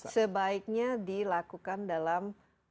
sebaiknya dilakukan dalam